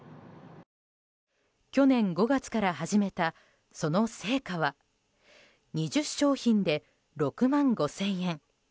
去年５月から始めたその成果は２０商品で６万５０００円。